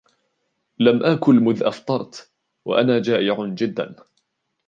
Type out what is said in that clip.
لم آكل مذ أفطرت ، وأنا جائع جدا.